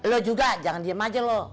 lo juga jangan diem aja lo